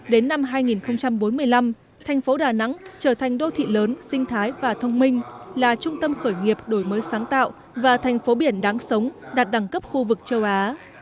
đến năm hai nghìn bốn mươi năm thành phố đà nẵng trở thành đô thị lớn sinh thái và thông minh là trung tâm khởi nghiệp đổi mới sáng tạo và thành phố biển đáng sống đạt đẳng cấp khu vực châu á